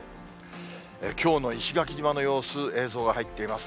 きょうの石垣島の様子、映像が入っています。